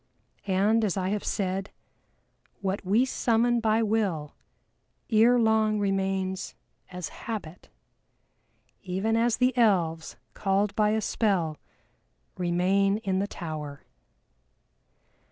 And as I have said, what we summon by Will ere long remains as Habit, even as the Elves, called by a spell, remain in the Tower.